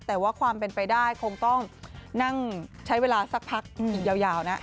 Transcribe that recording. แต่ว่าความเป็นไปได้คงต้องนั่งใช้เวลาสักพักอีกยาวนะ